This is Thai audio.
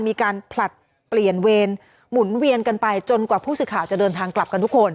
มีการผลัดเปลี่ยนเวรหมุนเวียนกันไปจนกว่าผู้สื่อข่าวจะเดินทางกลับกันทุกคน